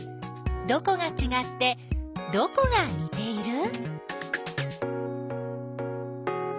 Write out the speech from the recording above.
どこがちがってどこがにている？